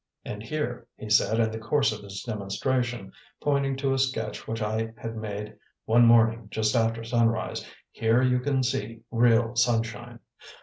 "And here," he said in the course of his demonstration, pointing to a sketch which I had made one morning just after sunrise "here you can see real sunshine.